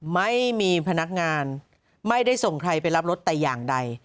ไม่มีพนักงานไม่ได้ส่งใครไปรับรถแต่อย่างใด